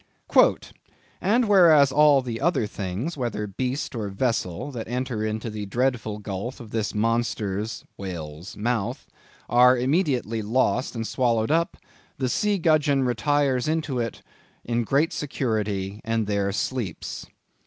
"And whereas all the other things, whether beast or vessel, that enter into the dreadful gulf of this monster's (whale's) mouth, are immediately lost and swallowed up, the sea gudgeon retires into it in great security, and there sleeps."